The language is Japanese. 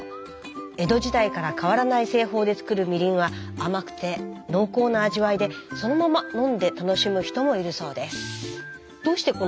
江戸時代から変わらない製法で造るみりんは甘くて濃厚な味わいでそのまま飲んで楽しむ人もいるそうです。